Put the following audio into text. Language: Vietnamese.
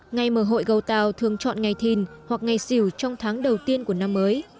ngày mở hội gầu tàu thường chọn ngày thìn hoặc ngày xỉu trong tháng đầu tiên của năm mới